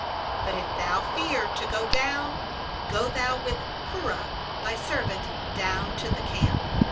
10But if thou fear to go down, go thou with Purah thy servant down to the camp.